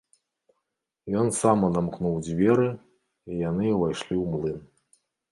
Ён сам адамкнуў дзверы, і яны ўвайшлі ў млын.